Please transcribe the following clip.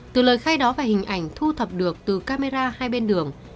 từ lời khai đó và hình ảnh thu thập được từ camera hai bên đường